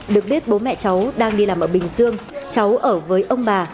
được biết bố mẹ cháu đang đi làm ở bình dương cháu ở với ông bà